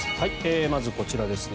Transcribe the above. まず、こちらですね。